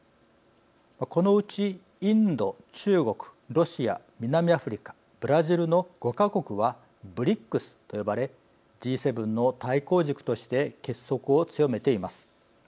このうちインド中国ロシア南アフリカブラジルの５か国はＢＲＩＣＳと呼ばれＧ７の対抗軸として結束を強めています。